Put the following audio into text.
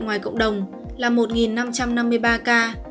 ngoài cộng đồng là một năm trăm năm mươi ba ca